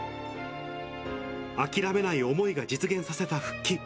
諦めない思いが実現させた復帰。